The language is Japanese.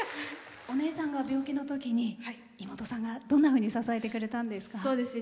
お姉さんが病気のときに妹さんが、どんなふうに支えてくれたんですか？